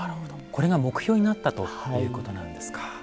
これが目標になったということなんですか。